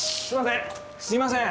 すいません！